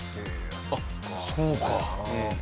あっそうか。